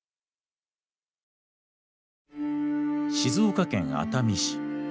静岡県熱海市。